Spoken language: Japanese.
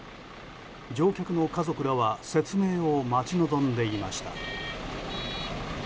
乗客の家族らは説明を待ち望んでいました。